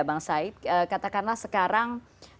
bang said katakanlah sekarang